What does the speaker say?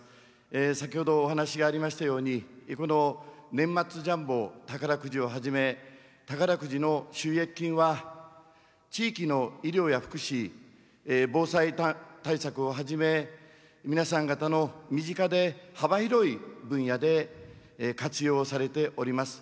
先ほどお話しがありましたように年末ジャンボ宝くじをはじめ宝くじの収益金は地域の医療や福祉、防災対策をはじめ皆さん方の身近で幅広い分野で活用されております。